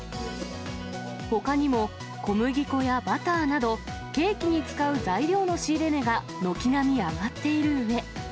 ほかにも、小麦粉やバターなど、ケーキに使う材料の仕入れ値が軒並み上がっているうえ。